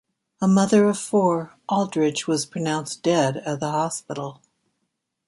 A mother of four, Aldridge was pronounced dead at the hospital.